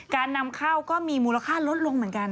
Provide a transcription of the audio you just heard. การนำเข้าก็มีมูลค่าลดลงเหมือนกัน